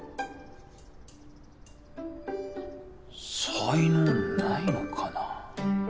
才能ないのかな。